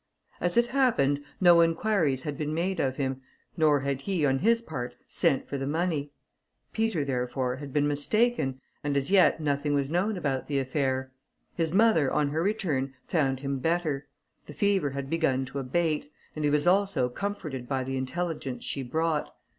As it happened, no inquiries had been made of him, nor had he, on his part, sent for the money. Peter, therefore, had been mistaken, and as yet nothing was known about the affair. His mother, on her return, found him better; the fever had begun to abate, and he was also comforted by the intelligence she brought.